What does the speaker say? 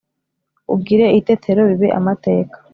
ugire itetero bibe amateka